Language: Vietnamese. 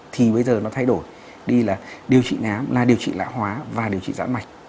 thì bây giờ nó thay đổi đi là điều trị nám là điều trị lã hóa và điều trị giã mạch